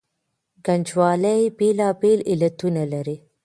ګنجوالي بېلابېل علتونه لري.